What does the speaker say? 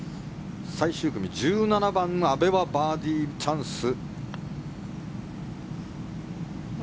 最終組１７番の阿部はバーディーチャンス。